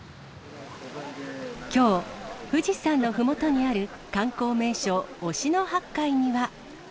きょう、富士山のふもとにある観光名所、忍野八海には。